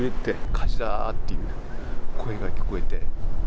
火事だーっていう声が聞こえて。